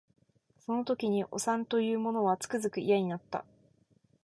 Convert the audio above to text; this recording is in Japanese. その時におさんと言う者はつくづく嫌になった